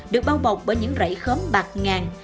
được bao bọc bởi những rẫy khóm bạc ngàn